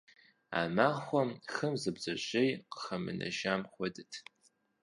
А махуэм хым зы бдзэжьеи къыхэмынэжам хуэдэт.